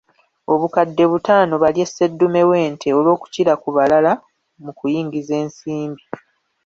Obukadde butaano balye sseddume w'ente olwokukira ku balala mu kuyingiza ensimbi.